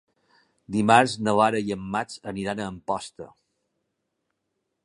Dimarts na Lara i en Max aniran a Amposta.